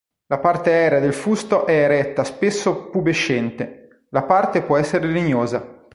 La parte aerea del fusto è eretta spesso pubescente; la base può essere legnosa.